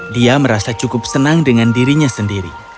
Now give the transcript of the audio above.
dia merasa cukup senang dengan dirinya sendiri